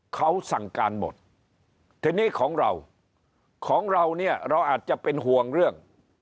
เขาสั่งการหมดทีนี้ของเราของเราเนี่ยเราอาจจะเป็นห่วงเรื่อง